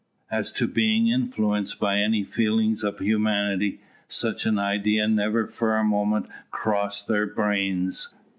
As to being influenced by any feelings of humanity, such an idea never for a moment crossed their brains.